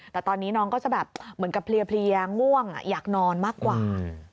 แต่ตอนนี้น้องก็จะแบบเหมือนกับเพลียง่วงอยากนอนมากกว่า